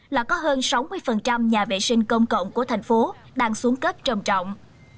là có hơn sáu mươi nhà vệ sinh công cộng của thành phố đang xuống cấp trầm trọng